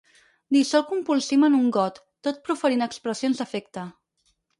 Dissolc un polsim en un got, tot proferint expressions d'afecte.